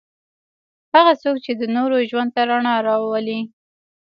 هغه څوک چې د نورو ژوند ته رڼا راوړي.